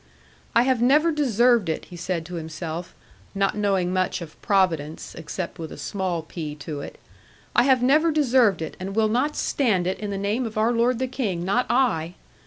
'I have never deserved it,' he said to himself, not knowing much of Providence, except with a small p to it; 'I have never deserved it, and will not stand it in the name of our lord the King, not I!'